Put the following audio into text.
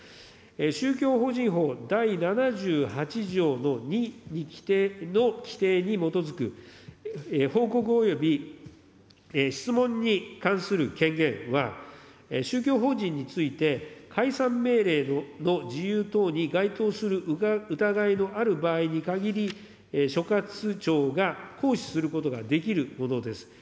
宗教法人法第７８条の２に規定、の規定に基づく報告および質問に関する権限は、宗教法人について解散命令の事由等に該当する疑いのある場合に限り、所轄庁が行使することができるものです。